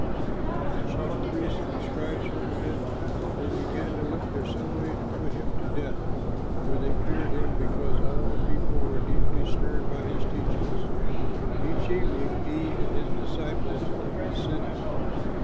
When the chief priests and scribes heard of it, they began to look for some way of putting him to death, for they feared him because all the people were deeply stirred by his teachings. But each evening he and his disciples left the city.